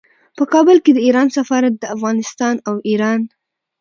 په کابل کې د ایران سفارت د افغانستان او ایران